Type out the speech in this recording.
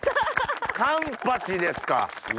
カンパチですか。